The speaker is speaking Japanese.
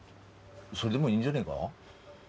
それでもいいんじゃねえが？